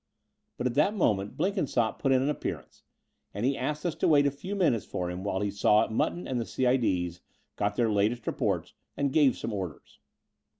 But at that moment Blenkinsopp put in an ap pearance; and he asked us to wait a few minutes for him while he saw Mutton and the C.LD.'s, got their latest reports, and gave some orders.